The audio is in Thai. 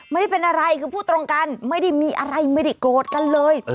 ไม่ได้เป็นอะไรคือพูดตรงกันไม่ได้มีอะไรไม่ได้โกรธกันเลย